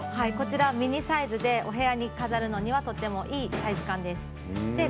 こちらはミニサイズでお部屋に飾るにはいいサイズ感です。